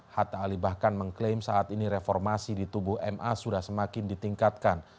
hatta ali bahkan mengklaim saat ini reformasi di tubuh ma sudah semakin ditingkatkan